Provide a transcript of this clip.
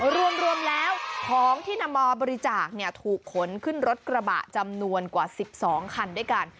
รวมแล้วของที่นำมาบริจาคถูกขนขึ้นรถกระบะจำนวนกว่า๑๒คันด้วยกัน